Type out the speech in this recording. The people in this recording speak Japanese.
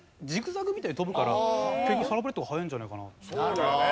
そうだよね。